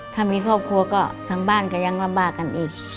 ถ้ามีครอบครัวก็ทางบ้านก็ยังลำบากกันอีก